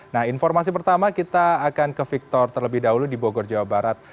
nah informasi pertama kita akan ke victor terlebih dahulu di bogor jawa barat